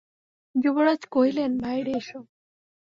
যুবরাজ কহিলেন, বাহিরে এস।